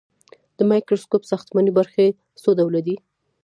د مایکروسکوپ ساختماني برخې څو ډوله دي.